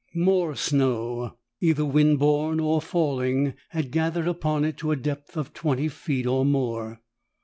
More snow, either wind borne or falling, had gathered upon it to a depth of twenty feet or more.